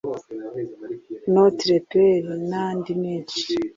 Notre Père n’andi menshi